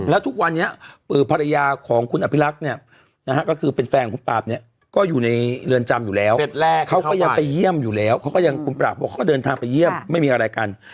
แล้วทุกวันนี้ภรรยาของคุณอภิรักษ์เนี่ยนะฮะก็คือเป็นแฟนของคุณปราบเนี่ยก็อยู่ในเรือนจำอยู่แล้วเสร็จแรกเขาก็ยังไปเยี่ยมอยู่แล้วเขาก็ยังคุณปราบบอกเขาก็เดินทางไปเยี่ยมไม่มีอะไรกัน